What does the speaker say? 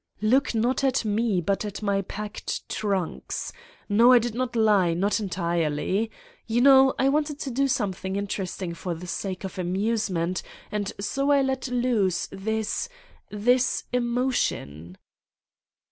9 "Look not at me but at my packed trunks. No, I did not lie, not entirely. You know, I wanted to do something interesting for the sake of amusement and so I let loose this ... this emotion.